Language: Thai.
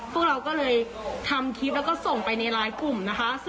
พวกเราก็เลยทำคลิปแล้วก็ส่งไปในไลน์กลุ่มนะคะ